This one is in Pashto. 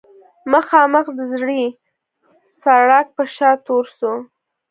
مخامخ د زړې سړک پۀ شا تورسر